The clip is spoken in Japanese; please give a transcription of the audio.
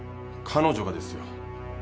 彼女がですよ。